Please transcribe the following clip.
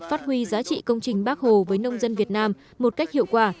phát huy giá trị công trình bắc hồ với nông dân việt nam một cách hiệu quả